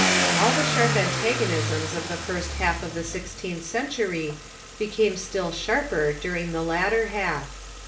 All the sharp antagonisms of the first half of the sixteenth century became still sharper during the latter half.